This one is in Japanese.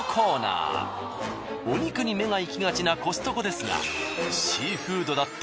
お肉に目が行きがちなコストコですが。